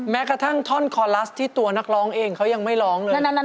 แม้กระทั่งท่อนคอลัสที่ตัวนักร้องเองเขายังไม่ร้องเลย